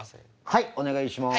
はいお願いします。